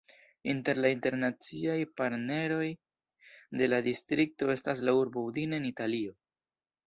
Inter la internaciaj partneroj de la distrikto estas la urbo Udine en Italio.